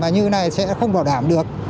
thứ này sẽ không bảo đảm được